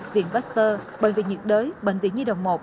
viện baxter bệnh viện nhiệt đới bệnh viện nhi đồng một